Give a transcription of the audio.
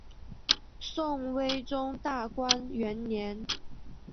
宋徽宗大观元年。